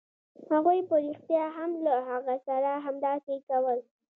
هغوی په رښتیا هم له هغه سره همداسې کول